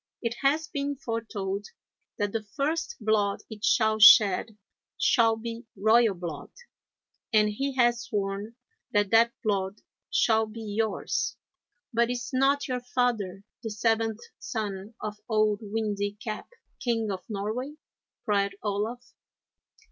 It has been foretold that the first blood it shall shed shall be royal blood, and he has sworn that that blood shall be yours.' 'But is not your father the seventh son of Old Windy Cap, King of Norway?' cried Olaf.